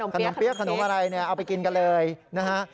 ขนมเปรี้ยกขนมอะไรเอาไปกินกันเลยนะคะ